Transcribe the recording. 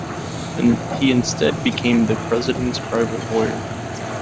He instead became the president's private lawyer.